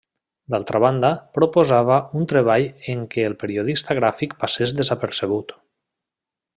D'altra banda, proposava un treball en què el periodista gràfic passés desapercebut.